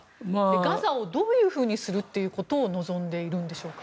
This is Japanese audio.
ガザをどういうふうにすることを望んでいるんでしょうか。